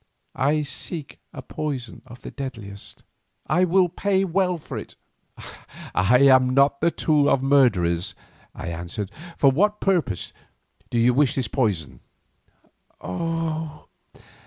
I seek a poison of the deadliest. I will pay well for it." "I am not the tool of murderers," I answered. "For what purpose do you wish the poison?" "Oh!